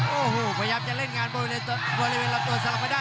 โอ้โหพยายามจะเล่นงานบริเวณรับตัวสรรพดา